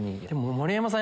盛山さん